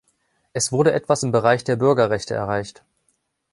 Es wurde etwas im Bereich der Bürgerrechte erreicht.